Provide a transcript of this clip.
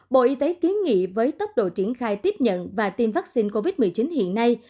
bộ y tế kiến nghị với tốc độ triển khai tiếp nhận và tiêm vaccine covid một mươi chín hiện nay